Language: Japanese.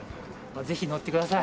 ぜひ乗ってください。